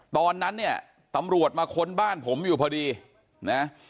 ตอนนั้นเนี่ยตำรวจมาค้นบ้านผมอยู่พอดีนะ